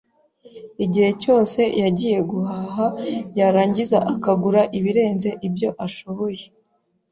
Igihe cyose yagiye guhaha, yarangiza akagura ibirenze ibyo ashoboye.